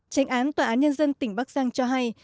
tránh án tòa án nhân dân tỉnh bắc giang cho hay